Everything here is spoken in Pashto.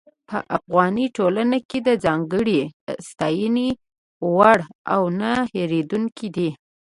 په افغاني ټولنه کې د ځانګړې ستاينې وړ او نۀ هېرېدونکي دي.